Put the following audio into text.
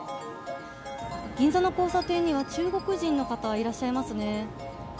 銀座の交差点には中国人の方、いらっしゃいますね。